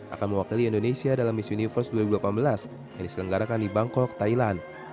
akan mewakili indonesia dalam miss universe dua ribu delapan belas yang diselenggarakan di bangkok thailand